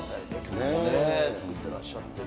作ってらっしゃってね。